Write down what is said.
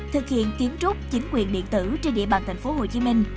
thực hiện kiến trúc chính quyền điện tử trên địa bàn thành phố hồ chí minh